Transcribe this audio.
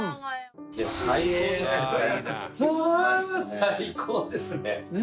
最高ですね。